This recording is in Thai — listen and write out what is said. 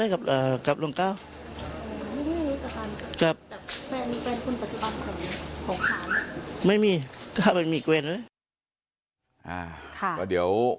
ก็เดี๋ยว